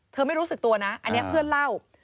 ไม่รู้สึกตัวนะอันนี้เพื่อนเล่า